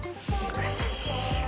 よし。